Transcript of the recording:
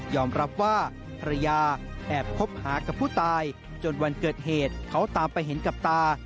รับว่าภรรยาแอบคบหากับผู้ตายจนวันเกิดเหตุเขาตามไปเห็นกับตา